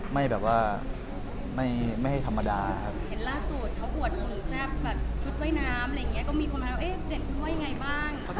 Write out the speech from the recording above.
ไม่หยุดธรรมดาครับ